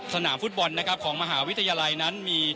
สนามฟุตบอลของมหาวิทยาลัยนั้น